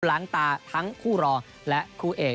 ล้างตาทั้งคู่รอและคู่เอก